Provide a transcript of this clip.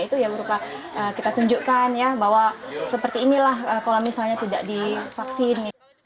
itu ya berupa kita tunjukkan ya bahwa seperti inilah kalau misalnya tidak divaksin